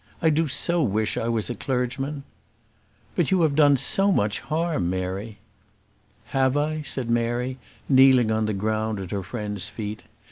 I do so wish I was a clergyman." "But you have done so much harm, Mary." "Have I?" said Mary, kneeling down on the ground at her friend's feet.